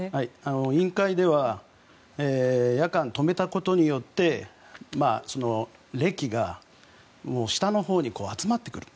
委員会では夜間に止めたことによって礫が下のほうに集まってくると。